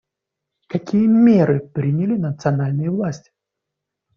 Какие меры приняли национальные власти?